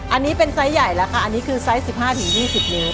อันนี้เป็นไซส์ใหญ่แล้วค่ะอันนี้คือไซส์สิบห้าถึงยี่สิบนิ้ว